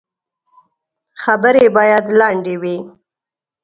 خبري باید لنډي وي .